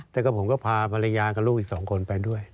แต่ก็ผมก็พาภรรยากับลูกอีก๒คนไปด้วย